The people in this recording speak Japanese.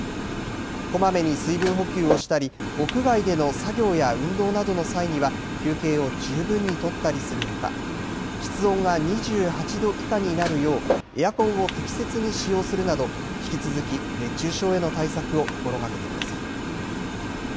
こまめに水分補給をしたり屋外での作業や運動などの際には休憩を十分に取ったりするほか室温が２８度以下になるようエアコンを適切に使用するなど引き続き熱中症への対策を心がけてください。